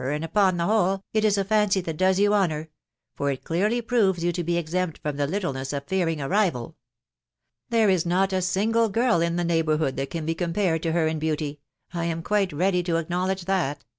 and, upon the whole, it is a fancy that does you honour, for it clearly proves you to be exempt from the littleness of fearing a rival. ... There is not a single girl in the neigh bourhood that can be compared to her in beauty— I am quite ready to acknowledge that ;..